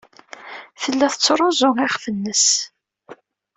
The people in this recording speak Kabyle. Tella tettruẓu iɣef-nnes.